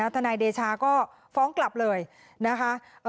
ทนายเดชาก็ฟ้องกลับเลยนะคะ